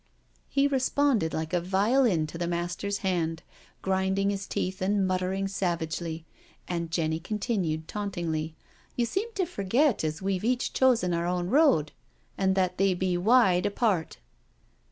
..." He responded like a violin to the master's hand, grinding his teeth and muttering savagely. And Jenny continued tauntingly: " You seem to forget as we've each chosen our own road, and that they be wide apart."